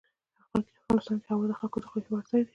افغانستان کې هوا د خلکو د خوښې وړ ځای دی.